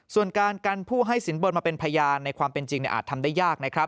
ส่วนการกันผู้ให้สินบนมาเป็นพยานในความเป็นจริงอาจทำได้ยากนะครับ